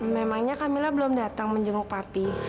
memangnya kak mila belum datang menjenguk papi